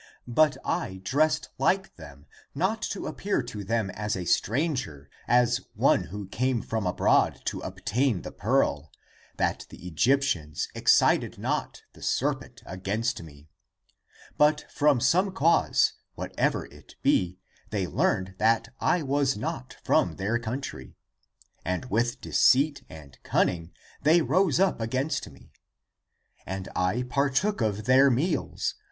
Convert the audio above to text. But I dressed like them Not to appear to them as a stranger. As one who came from abroad To obtain the pearl That the Egyptians excited not the serpent against me. But from some cause, whatever it be, They learned that I was not from their country, And with deceit and cunning they rose up against me. And I partook of their meals.